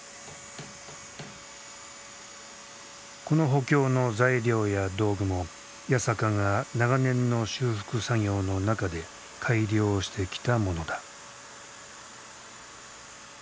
この補強の材料や道具も八坂が長年の修復作業の中で改良してきたものだ。